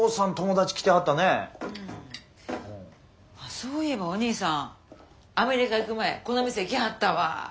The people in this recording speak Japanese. そういえばお兄さんアメリカ行く前この店来はったわ。